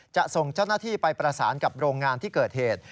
จะส่งเจ้าหน้าที่ไปประสานกับโรงงานที่เกิดเหตุ